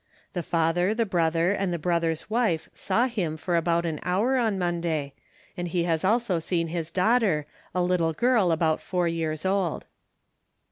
The father, the brother, and the brother's wife saw him for about an hour on Monday, and he has also seen his daughter, a little girl about four years old.